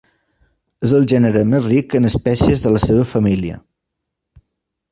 És el gènere més ric en espècies de la seva família.